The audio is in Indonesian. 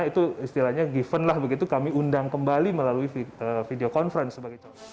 jadi istilahnya given lah begitu kami undang kembali melalui video conference